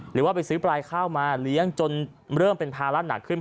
หรือว่าไปซื้อปลายข้าวมาเลี้ยงจนเริ่มเป็นภาระหนักขึ้น